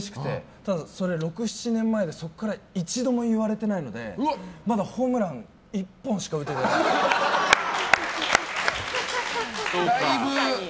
ただ、６７年前のそこから一度も言われてないのでまだホームラン１本しか打ててない。